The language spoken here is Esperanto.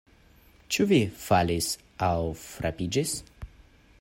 Ĉu vi falis aŭ frapiĝis?